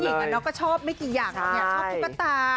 เด็กผู้หญิงก็ชอบไม่กี่อย่างนะ